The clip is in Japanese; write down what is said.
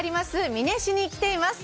美祢市に来ています。